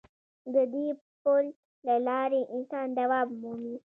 د دې پل له لارې انسان دوام مومي.